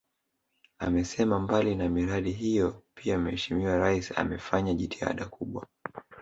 Amesema mbali na miradi hiyo pia Mheshimiwa Rais amefanya jitihada kubwa